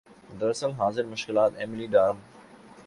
در حال حاضر مشکلات ایمیلی دارم